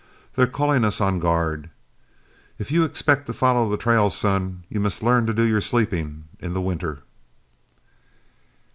They're calling us on guard. If you expect to follow the trail, son, you must learn to do your sleeping in the winter."